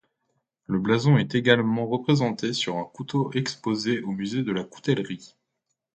Le blason est également représenté sur un couteau exposé au musée de la coutellerie.